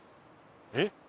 えっ？